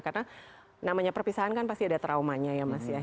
karena namanya perpisahan kan pasti ada traumanya ya mas ya